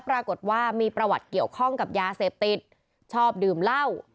ปรากฏว่ามีประวัติเกี่ยวข้องกับยาเสพติดชอบดื่มเหล้า